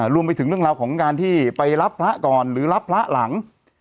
รวมไปถึงเรื่องราวของการที่ไปรับพระก่อนหรือรับพระหลัง